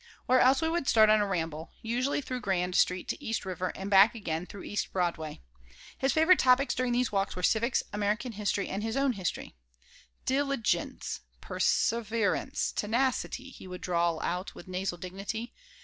Or else we would start on a ramble, usually through Grand Street to East River and back again through East Broadway. His favorite topics during these walks were civics, American history, and his own history "Dil i gence, perr severance, tenacity!" he would drawl out, with nasal dignity.